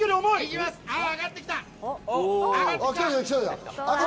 揚がってきた！